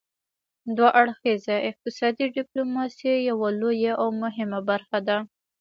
دوه اړخیزه اقتصادي ډیپلوماسي یوه لویه او مهمه برخه ده